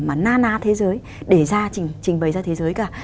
mà na na thế giới để trình bày ra thế giới cả